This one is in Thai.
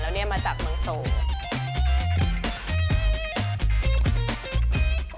เอาล่ะเดินทางมาถึงในช่วงไฮไลท์ของตลอดกินในวันนี้แล้วนะครับ